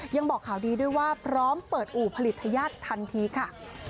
ยังบอกข่าวดีด้วยว่าพร้อมเปิดอู่ผลิตทญาติทันทีค่ะ